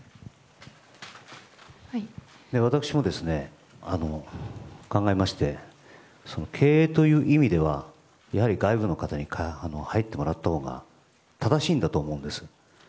私も考えまして経営という意味では外部の方に入ってもらったほうが正しいんだと思うんです。